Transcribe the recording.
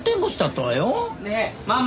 ねえママ。